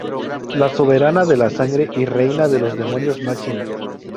La Soberana de la Sangre y Reina de los Demonios Máximos.